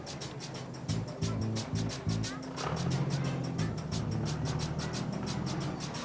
kan dia sampai